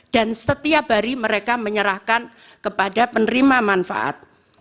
setiap hari mereka menyerahkan kepada penerima manfaat